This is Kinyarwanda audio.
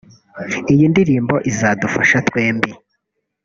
iyi ndirimbo izadufasha twembi